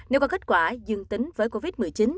nếu có kết quả dương tính với covid một mươi chín